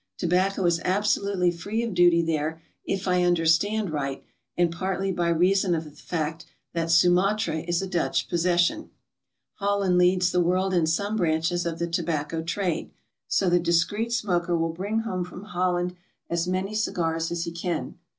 Tobacco is absolutely free of duty there, if I understand right, and partly by reason of the fact that Sumatra is a Dutch possession, Holland leads the world in some branches of the tobacco trade. So 'he discreet smoker will bring home from Holland as many cigars as he can.